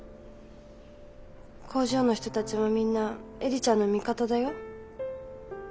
工場の人たちもみんな映里ちゃんの味方だよ。